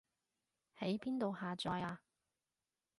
喺邊度下載啊